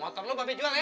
motor lo pak fik jual ya